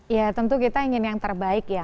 ya tentu kita ingin yang terbaik ya